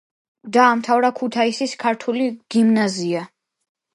დაამთავრა ქუთაისის ქართული გიმნაზია.